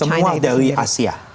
semua dari asia